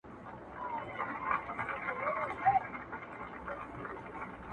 چي هم ما هم مي ټبر ته یې منلی!